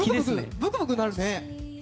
ブクブクなるよね。